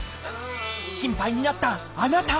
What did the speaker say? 心配になったあなた！